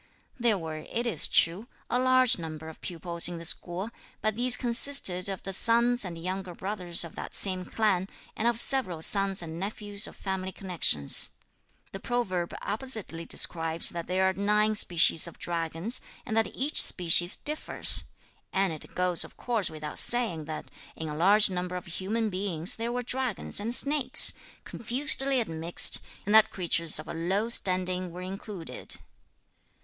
There were, it is true, a large number of pupils in this school, but these consisted of the sons and younger brothers of that same clan, and of several sons and nephews of family connections. The proverb appositely describes that there are nine species of dragons, and that each species differs; and it goes of course without saying that in a large number of human beings there were dragons and snakes, confusedly admixed, and that creatures of a low standing were included.